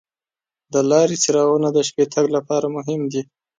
د لارې څراغونه د شپې تګ لپاره مهم دي.